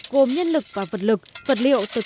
gồm nhân lực và vật lực vật liệu từ các đoàn tàu